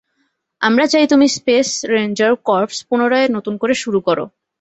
আমরা চাই, তুমি স্পেস রেঞ্জার কর্পস পুনরায় নতুন করে শুরু করো।